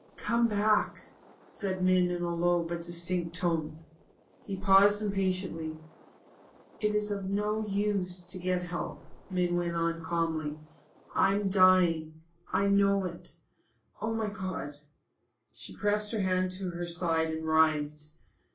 "Come back," said Min in a low but distinct tone. He paused impatiently. "It is of no use to get help," Min went on calmly. "I'm dying I know it. Oh, my God!" She pressed her hand to her side and writhed.